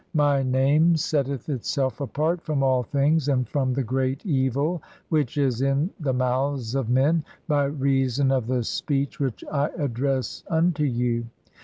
My name "setteth itself apart from all things [and from] the great evil "[which is inj the mouths [of men] by reason of the speech "which I address (23) unto you.